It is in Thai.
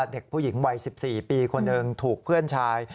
เด็กผู้หญิงวัย๑๔ปีคนหนึ่งถูกเพื่อนชาย